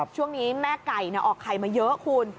ช่วงนี้แม่ไก่ออกไข่มาเยอะคุณ